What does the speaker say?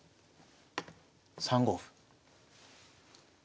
３五歩。